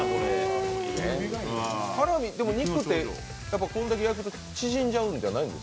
ハラミ、肉ってこれだけ焼くと縮んじゃうんじゃない？